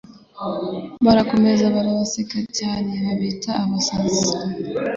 barakokereza babaseka cyane babita abasaz